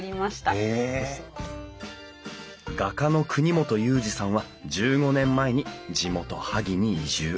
画家の國本ユージさんは１５年前に地元萩に移住。